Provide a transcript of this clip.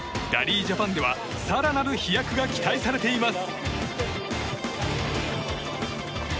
ラリー・ジャパンでは更なる飛躍が期待されています。